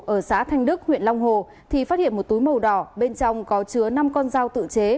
ở xã thanh đức huyện long hồ thì phát hiện một túi màu đỏ bên trong có chứa năm con dao tự chế